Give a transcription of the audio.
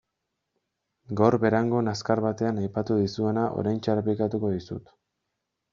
Gaur Berangon azkar batean aipatu dizudana oraintxe errepikatuko dizut.